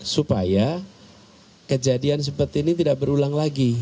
supaya kejadian seperti ini tidak berulang lagi